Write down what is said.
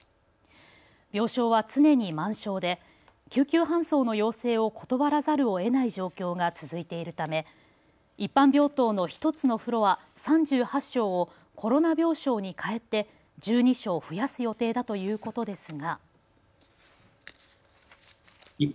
病床は常に満床で救急搬送の要請を断らざるをえない状況が続いているため一般病棟の１つのフロア３８床をコロナ病床に変えて１２床増やす予定だということですが。